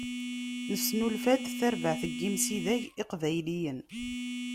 Nesnulfa-d tarbaεt n imsidag iqbayliyen.